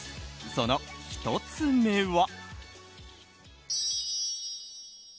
その１つ目は。